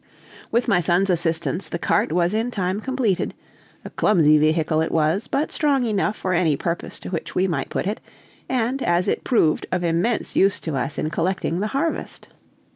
With my son's assistance the cart was in time completed; a clumsy vehicle it was, but strong enough for any purpose to which we might put it, and, as it proved, of immense use to us in collecting the harvest.